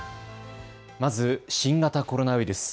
まず、新型コロナウイルス。